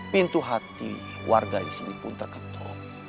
pintu hati warga disini pun terketuk